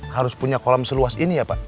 harus punya kolam seluas ini ya pak